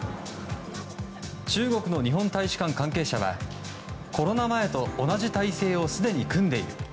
中国の日本大使館関係者はコロナ前と同じ態勢をすでに組んでいる。